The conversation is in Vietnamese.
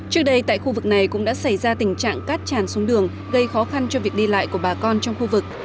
trước đây tại khu vực này cũng đã xảy ra tình trạng cát tràn xuống đường gây khó khăn cho việc đi lại của bà con trong khu vực